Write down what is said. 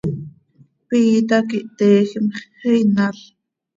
Piita quih teejim x, xinal.